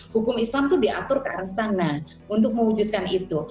hukum islam itu diatur ke arah sana untuk mewujudkan itu